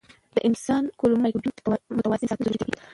د انسان کولمو مایکروبیوم متوازن ساتل ضروري دي.